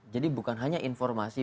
jadi bukan hanya informasi